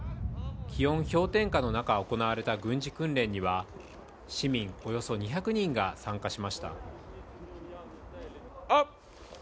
気温氷点下の中行われた軍事訓練には、市民およそ２００人が参加しました。